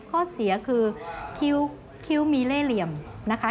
ข้อเสียคือคิ้วมีเล่เหลี่ยมนะคะ